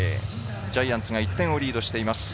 ジャイアンツが１点をリードしています。